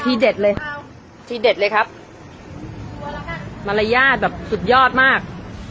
พี่เอ่อทีเด็ดเลยทีเด็ดเลยครับมาละแยยต์แบบสุดยอดมาก